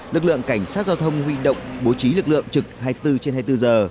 lực lượng cảnh sát giao thông huy động bố trí lực lượng trực hai mươi bốn trên hai mươi bốn giờ